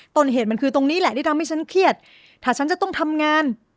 ต้นเหตุมันคือตรงนี้แหละที่ทำให้ฉันเครียดถ้าฉันจะต้องทำงาน